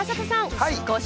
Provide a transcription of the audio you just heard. はい。